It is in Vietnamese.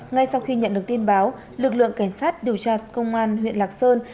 ngay sau khi nhận được tin báo lực lượng cảnh sát điều tra công an huyện lạc sơn